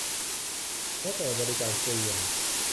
แม้แต่บริการฟรีอย่าง